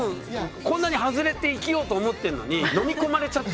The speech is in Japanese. こんなに外れて生きようと思ってんのに飲み込まれちゃってる時ありますよね。